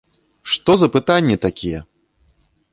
Што за пытанні такія???